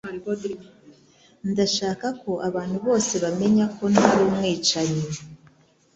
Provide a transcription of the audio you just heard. Ndashaka ko abantu bose bamenya ko ntari umwicanyi.